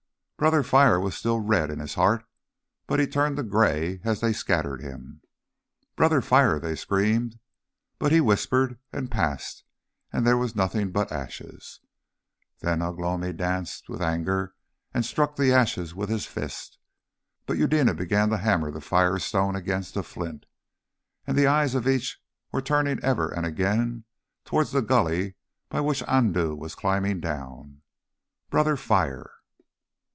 Brother Fire was still red in his heart, but he turned to grey as they scattered him. "Brother Fire!" they screamed. But he whispered and passed, and there was nothing but ashes. Then Ugh lomi danced with anger and struck the ashes with his fist. But Eudena began to hammer the firestone against a flint. And the eyes of each were turning ever and again towards the gully by which Andoo was climbing down. Brother Fire!